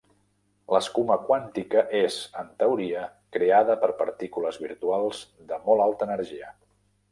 L'escuma quàntica és, en teoria, creada per partícules virtuals de molt alta energia.